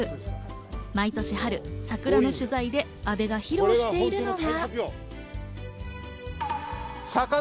毎年春、サクラの取材で阿部が披露しているのが。